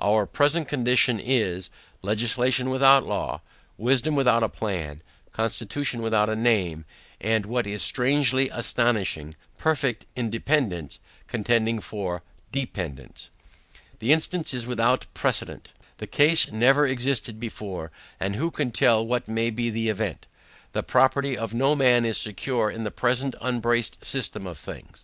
Our present condition, is, Legislation without law; wisdom without a plan; constitution without a name; and, what is strangely astonishing, perfect Independance contending for dependance. The instance is without a precedent; the case never existed before; and who can tell what may be the event? The property of no man is secure in the present unbraced system of things.